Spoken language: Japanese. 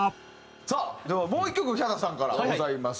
さあではもう１曲ヒャダさんからございます。